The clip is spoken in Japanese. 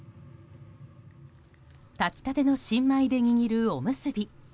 炊き立ての新米で握るおむすび。